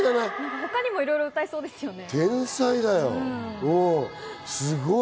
他にもいろいろ歌えそうですよね。